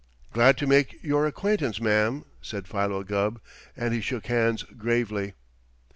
"Glad to make your acquaintance, ma'am," said Philo Gubb, and he shook hands gravely.